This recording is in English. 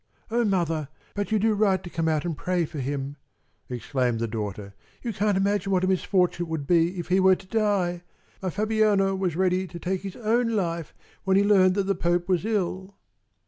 "Oh, mother, but you do right to come out and pray for him!" exclaimed the daughter. "You can't imagine what a misfortune it would be if he were to die! My Fabiano was ready to take his own life when he learned that the Pope was ill."